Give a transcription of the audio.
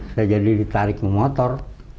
sudah jadi ditarik ke motor